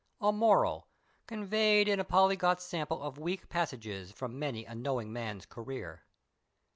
A moral, conveyed in a polyglot sample of weak passages from many a knowing man's career.